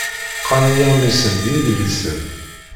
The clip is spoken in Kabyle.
Qqaren iɣmisen d yidlisen.